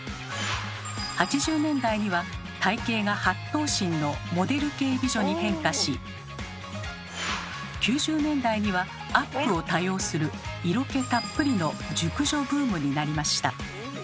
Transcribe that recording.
８０年代には体型が８頭身のモデル系美女に変化し９０年代にはアップを多用する色気たっぷりの熟女ブームになりました。